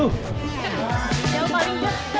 jauh paling dekat